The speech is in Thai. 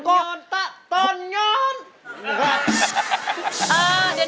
กรอมเงินตะตอนเงิน